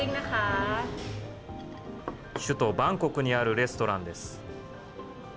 首都バンコクにあるレストランです。